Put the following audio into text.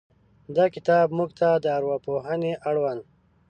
دا کتاب موږ ته د ارواپوهنې اړوند